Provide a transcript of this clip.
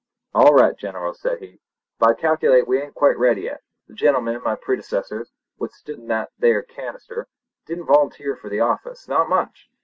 "All right, General," said he, "but I calculate we ain't quite ready yet. The gentlemen, my predecessors, what stood in that thar canister, didn't volunteer for the office—not much!